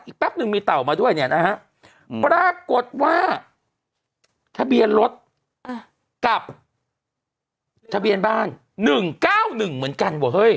แป๊บนึงมีเต่ามาด้วยเนี่ยนะฮะปรากฏว่าทะเบียนรถกับทะเบียนบ้าน๑๙๑เหมือนกันเว้ย